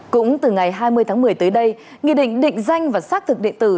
cũng từ ngày hai mươi tháng một mươi tới đây nghị định định danh và sát thục định tử